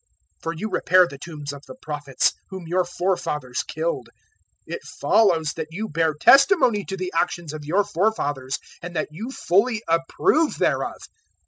for you repair the tombs of the Prophets, whom your forefathers killed. 011:048 It follows that you bear testimony to the actions of your forefathers and that you fully approve thereof.